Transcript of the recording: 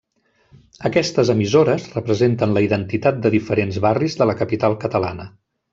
Aquestes emissores representen la identitat de diferents barris de la capital catalana.